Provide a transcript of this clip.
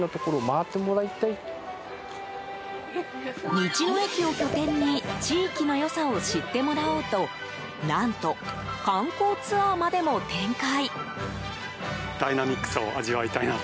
道の駅を拠点に地域の良さを知ってもらおうと何と、観光ツアーまでも展開。